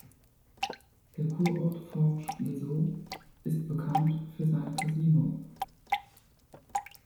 Der Kurort Forges-les-Eaux ist bekannt für sein Kasino.